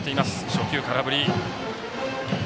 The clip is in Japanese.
初球、空振り